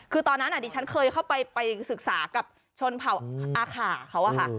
คือตอนนั้นดิฉันเคยเข้าไปศึกษากับชนเผ่าอาขาเขาอะค่ะ